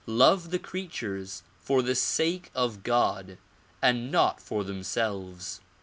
Love the creatures for the sake of God and not for themselves.